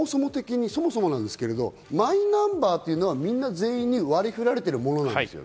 そもそもなんですけど、マイナンバーというのは全員に割り振られてるものなんですか？